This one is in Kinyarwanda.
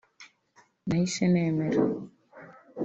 nahise nemera